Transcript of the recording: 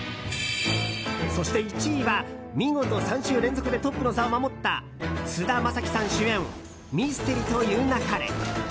そして１位は見事３週連続でトップの座を守った菅田将暉さん主演「ミステリと言う勿れ」。